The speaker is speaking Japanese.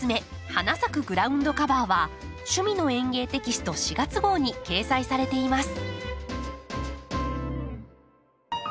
花咲くグラウンドカバー」は「趣味の園芸」テキスト４月号に掲載されています。